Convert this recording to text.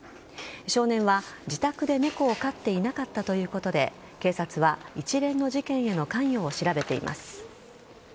少年は、自宅で猫を飼っていなかったということで警察は一連の事件への関与を調べています。